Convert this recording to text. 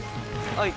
はい。